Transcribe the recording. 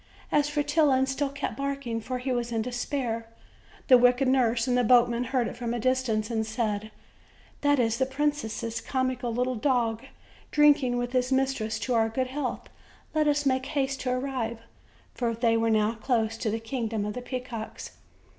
As Fretillon still kept barking, for he was in despair, the wicked nurse and the boatman heard it from a distance, and said: "That is the princess' comical little dog drinking with his mistress to our good health; let us make haste to arrive;" for they were now close to the kingdom of the peacocks.